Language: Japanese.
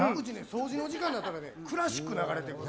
掃除の時間になったらクラシック流れてくる。